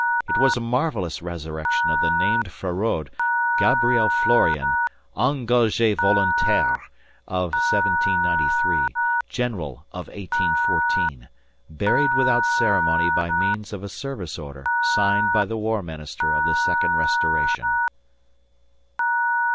It was a marvellous resurrection of the named Feraud, Gabriel Florian, engagé volontaire of 1793, general of 1814, buried without ceremony by means of a service order signed by the War Minister of the Second Restoration.